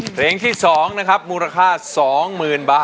เพลงที่๒นะครับมูลค่า๒๐๐๐บาท